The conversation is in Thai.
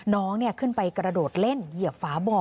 น้องขึ้นไปกระโดดเล่นเหยียบฝาบ่อ